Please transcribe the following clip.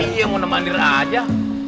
iya mau nemanin aja